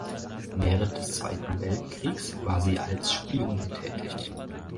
Während des Zweiten Weltkriegs war sie als Spionin tätig.